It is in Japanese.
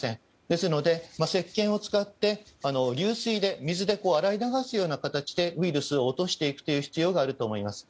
ですので、石鹸を使って流水で洗い流すような形でウイルスを落としていく必要があると思います。